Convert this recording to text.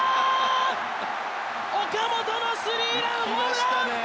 岡本のスリーランホームラン！